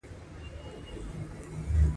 فرګوسن وویل: تاسي دواړه یو شان یاست.